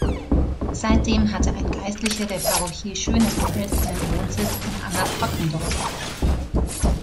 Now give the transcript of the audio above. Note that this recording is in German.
Seitdem hatte ein Geistlicher der Parochie Schönefeld einen Wohnsitz in Anger-Crottendorf.